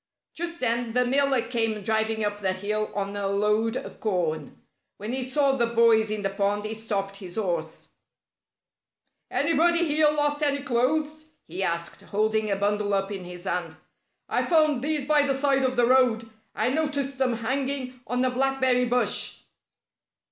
Just then the miller came driving up the hill on a load of corn. When he saw the boys in the pond he stopped his horses. "Anybody here lost any clothes?" he asked, holding a bundle up in his hand. "I found these by the side of the road. I noticed them hanging on a blackberry bush."